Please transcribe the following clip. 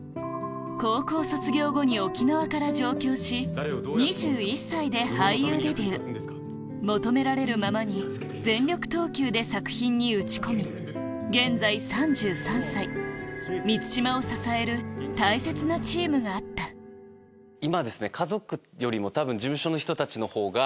高校卒業後２１歳で俳優デビュー求められるままに全力投球で作品に打ち込み現在３３歳満島を支える大切なチームがあった今はですね。